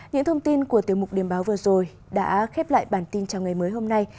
những thông tin của tiểu mục điểm báo vừa rồi đã khép lại bản tin chào ngày mới hôm nay